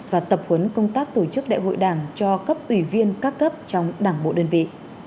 và tập huấn công tác tổ chức đại hội đảng cho cấp ủy viên các cấp trong đảng bộ đơn vị